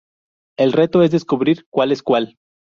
El reto es descubrir cual es cual.